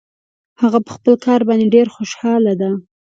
هغه په خپل کار باندې ډېر خوشحاله ده